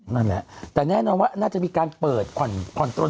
นั่นแหละแต่แน่นอนว่าน่าจะมีการเปิดผ่อนปลน